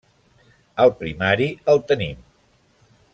Al primari, el tenim.